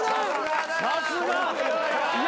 さすが。